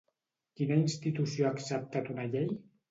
Quina institució ha acceptat una llei?